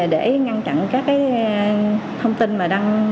để ngăn chặn các thông tin mà đang